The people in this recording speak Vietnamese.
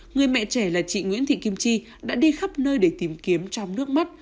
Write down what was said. người mẹ trẻ là chị nguyễn thị kim chi đã đi khắp nơi để tìm kiếm trong nước mắt